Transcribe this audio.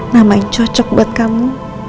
nama yang cocok buat kamu